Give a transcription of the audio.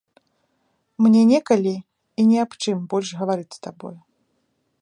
Мне некалі і не аб чым больш гаварыць з табою.